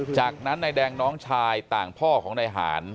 จากนั้นนายแดงน้องชายต่างพ่อของนายหาร